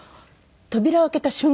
扉を開けた瞬間